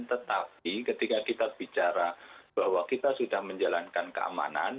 tetapi ketika kita bicara bahwa kita sudah menjalankan keamanan